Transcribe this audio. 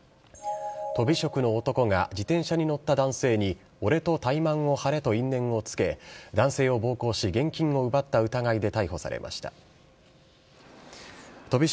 とび職の男が、自転車に乗った男性に、俺とタイマンを張れと因縁をつけ、男性を暴行し、現金を奪った疑いで逮捕されました。